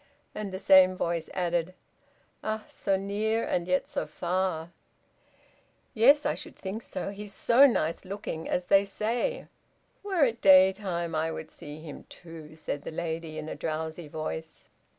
And the same voice added "Ah! so near, and yet so far!" "Yes, I should think so, he is so nice looking, as they say." "Were it daytime I would see him, too," said the lady in a drowsy voice.